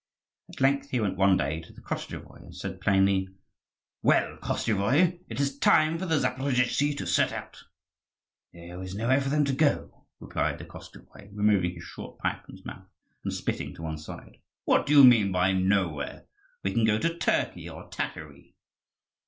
At length he went one day to the Koschevoi, and said plainly: "Well, Koschevoi, it is time for the Zaporozhtzi to set out." "There is nowhere for them to go," replied the Koschevoi, removing his short pipe from his mouth and spitting to one side. "What do you mean by nowhere? We can go to Turkey or Tatary."